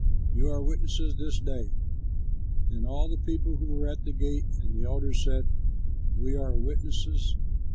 You are witnesses this day." Then all the people who were at the gate and the elders said, "We are witnesses.